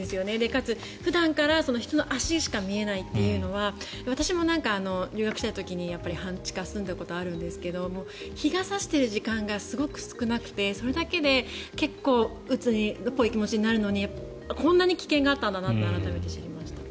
かつ、普段から人の足しか見えないというのは私も留学していた時に半地下に住んでいたことがあるんですが日が差している時間がすごく少なくてそれだけで結構うつっぽい気持ちになるのにこんなに危険があったんだなと改めて知りました。